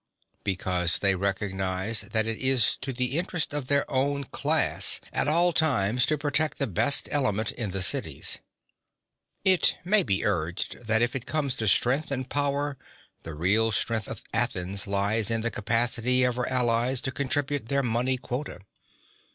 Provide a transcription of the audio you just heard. Because they recognise that it is to the interest of their own class at all times to protect the best element in the cities. It may be urged (38) that if it comes to strength and power the real strength of Athens lies in the capacity of her allies to contribute their money quota.